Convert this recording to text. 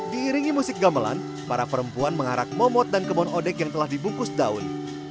diiringi musik gamelan para perempuan mengarak momot dan kebon odek yang telah dibungkus daun